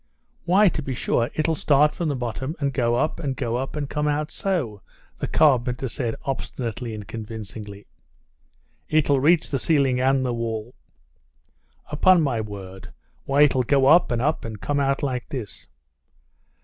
"Why, to be sure, it'll start from the bottom and go up and go up, and come out so," the carpenter said obstinately and convincingly. "It'll reach the ceiling and the wall." "Upon my word! Why, it'll go up, and up, and come out like this."